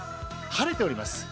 晴れております。